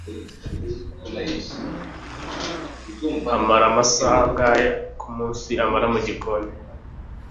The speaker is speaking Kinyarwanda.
amara amasaha angahe kumunsi amara mugikoni